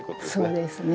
そうですね。